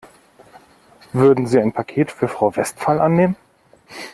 Würden Sie ein Paket für Frau Westphal annehmen?